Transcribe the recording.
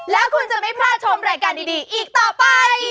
แล้วคุณจะไม่พลาดชมรายการดีอีกต่อไป